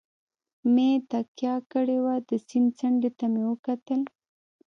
مې تکیه کړې وه، د سیند څنډې ته مې وکتل.